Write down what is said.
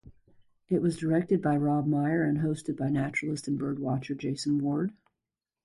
It was directed by Rob Meyer and hosted by naturalist and birdwatcher Jason Ward.